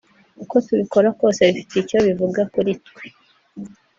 uko tubikora kose bifite icyo bivuga kuri twe